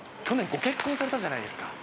去年、ご結婚されたじゃないですか。